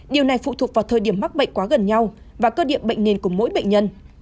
điều này phụ thuộc vào thời điểm mắc bệnh quá gần nhau và cơ địa bệnh nền của mỗi bệnh nhân